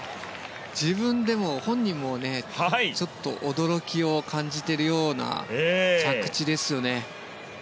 本人もちょっと驚きを感じているような着地ですよね。